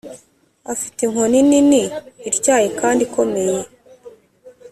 afite inkota nini, ityaye kandi ikomeye,